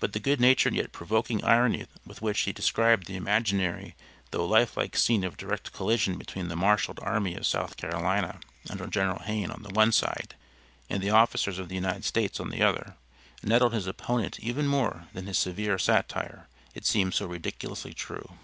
But the good natured yet provoking irony with which he described the imaginary, though life like scene of direct collision between the marshaled army of South Carolina under General Hayne on the one side, and the officers of the United States on the other, nettled his opponent even more than his severe satire, it seemed so ridiculously true.